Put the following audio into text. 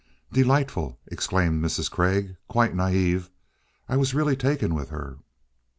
"Delightful!" exclaimed Mrs. Craig. "Quite naive. I was really taken with her."